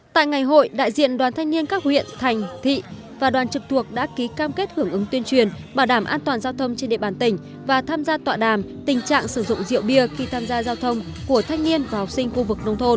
tại ngày hội đại diện đoàn thanh niên các huyện thành thị và đoàn trực thuộc đã ký cam kết hưởng ứng tuyên truyền bảo đảm an toàn giao thông trên địa bàn tỉnh và tham gia tọa đàm tình trạng sử dụng rượu bia khi tham gia giao thông của thanh niên và học sinh khu vực nông thôn